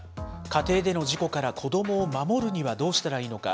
家庭での事故から子どもを守るにはどうしたらいいのか。